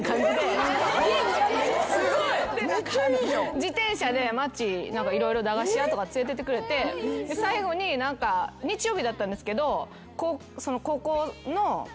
自転車で街色々駄菓子屋とか連れてってくれて最後に日曜日だったんですけど。